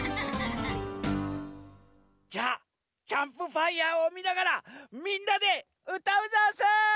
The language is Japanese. じゃあキャンプファイヤーをみながらみんなでうたうざんす！